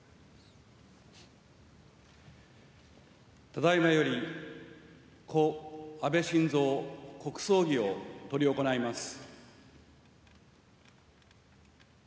ただ今より故・安倍晋三国葬儀を執り行います。